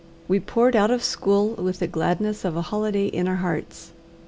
We poured out of school with the gladness of a holiday in our hearts.